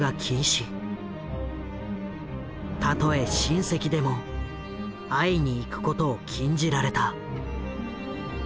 たとえ親戚でも会いに行くことを禁じられた。